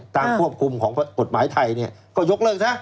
ควบคุมของกฎหมายไทยก็ยกเลิกซะ